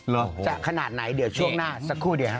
รึคะโอ้โฮโอ้โฮจากขนาดไหนเดี๋ยวช่วงหน้าสักครู่เดี๋ยว